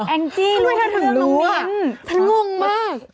แองจี้ทำไมเธอถึงรู้วะฉันงงมาก